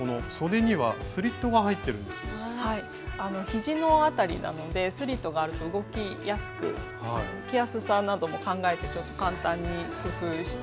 ひじの辺りなのでスリットがあると動きやすく着やすさなども考えて簡単に工夫してみました。